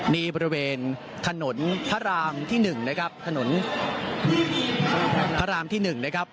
นี่บริเวณถนนพระรามที่๑นะครับถนนพระรามที่๑นะครับ